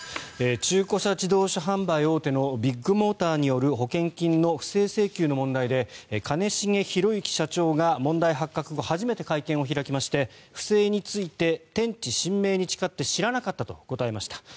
中古自動車販売大手のビッグモーターによる保険金の不正請求の問題で兼重宏行社長が問題発覚後初めて会見を開きまして不正について、天地神明に誓って知らなかったと答えました。